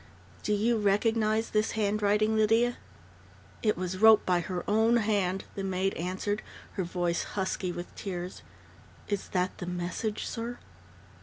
"Do you recognize this handwriting, Lydia?" "It was wrote by her own hand," the maid answered, her voice husky with tears. "Is that the message, sir?"